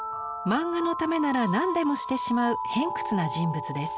漫画のためなら何でもしてしまう偏屈な人物です。